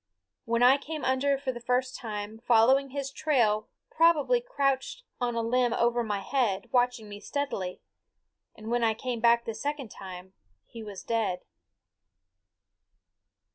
When I came under for the first time, following his trail probably crouched on a limb over my head watching me steadily; and when I came back the second time he was dead.